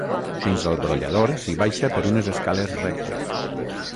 Fins al brollador s'hi baixa per unes escales rectes.